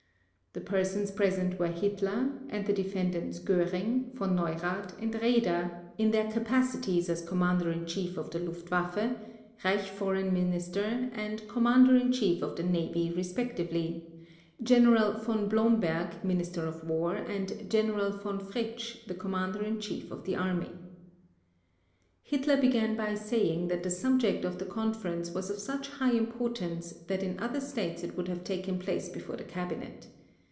The persons present were Hitler, and the Defendants Göring, Von Neurath, and Raeder, in their capacities as Commander in Chief of the Luftwaffe, Reich Foreign Minister, and Commander in Chief of the Navy respectively, General Von Blomberg, Minister of War, and General Von Fritsch, the Commander in Chief of the Army. Hitler began by saying that the subject of the conference was of such high importance that in other States it would have taken place before the Cabinet.